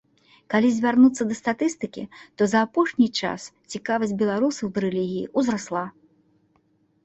Калі звярнуцца да статыстыкі, то за апошні час цікавасць беларусаў да рэлігіі ўзрасла.